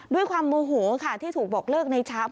ด้วยความโมโหค่ะที่ถูกบอกเลิกในเช้า